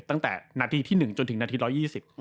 ตั้งแต่๑นาทีจนถึง๑๒๐นาที